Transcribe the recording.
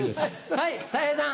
はいたい平さん。